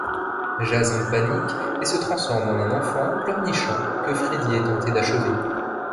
Jason panique et se transforme en un enfant pleurnichant que Freddy est tenté d'achever.